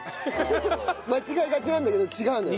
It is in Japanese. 間違えがちなんだけど違うのよ。